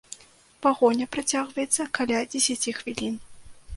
Пагоня працягваецца каля дзесяці хвілін.